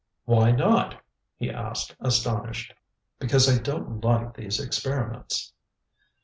"Why not?" he asked, astonished. "Because I don't like these experiments."